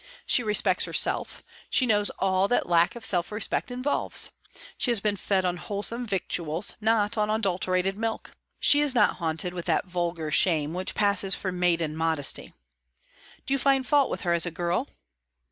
She respects herself; she knows all that lack of self respect involves. She has been fed on wholesome victuals, not on adulterated milk. She is not haunted with that vulgar shame which passes for maiden modesty. Do you find fault with her, as a girl?"